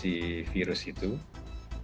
tunggu nanti salah dua